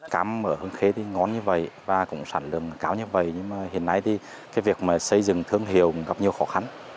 cam ở hương khê ngon như vậy và cũng sản lượng cao như vậy nhưng mà hiện nay thì cái việc xây dựng thương hiệu gặp nhiều khó khăn